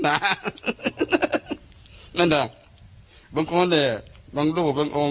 แต่คนอยู่ข้างหลังอาจจะยืมอยู่